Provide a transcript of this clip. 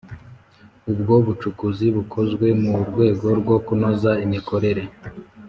ubwo bucukuzi bukozwe mu rwego rwo kunoza imikorere